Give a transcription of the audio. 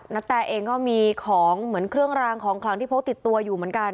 แตเองก็มีของเหมือนเครื่องรางของขลังที่พกติดตัวอยู่เหมือนกัน